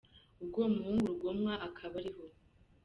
Ubwo wa muhungu Rugomwa akaba ari aho.